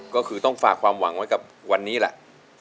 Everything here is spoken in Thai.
ก็คือต้องฝากความหวังไว้กับวันนี้แหละ